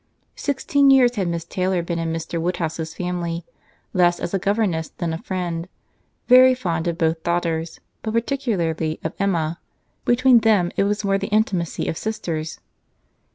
Sixteen years had Miss Taylor been in Mr. Woodhouse's family, less as a governess than a friend, very fond of both daughters, but particularly of Emma. Between them it was more the intimacy of sisters.